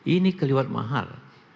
ini kelewat mahal